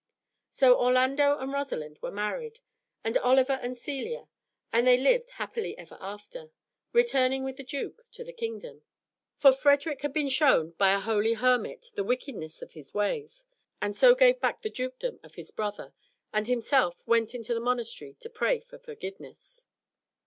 So Orlando and Rosalind were married, and Oliver and Celia, and they lived happy ever after, returning with the duke to the kingdom. For Frederick had been shown by a holy hermit the wickedness of his ways, and so gave back the dukedom of his brother, and himself went into a monastery to pray for forgiveness.